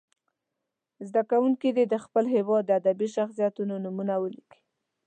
زده کوونکي دې د خپل هېواد د ادبي شخصیتونو نومونه ولیکي.